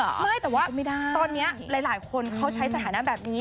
ไม่แต่ว่าตอนนี้หลายคนเขาใช้สถานะแบบนี้